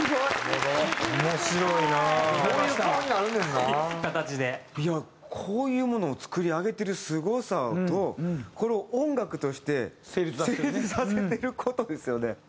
いやこういうものを作り上げてるすごさとこれを音楽として成立させてる事ですよね。